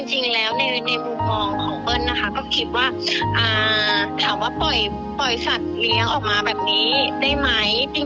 จริงแล้วในมุมมองของเปิ้ลนะคะก็คิดว่าถามว่าปล่อยสัตว์เลี้ยงออกมาแบบนี้ได้ไหม